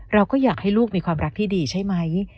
เราก็อยากให้ลูกมีความรักที่ดีใช่ไหม